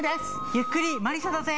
ゆっくり魔理沙だぜ。